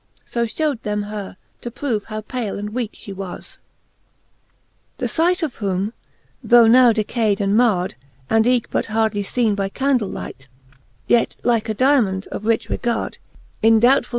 So fhew'd them her, to prove how pale and weake jfhe was* XIII. The light of whom, though now decayd and mard. And eke but hardly feene by candle light, Yet like a diamond of rich regard, In doubtful!